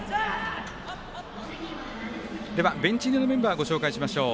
では、ベンチ入りのメンバーご紹介しましょう。